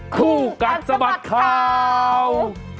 คู่กันสมัครข่าว